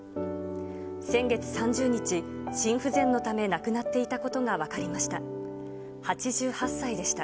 先月３０日、心不全のため亡くなっていたことが分かりました。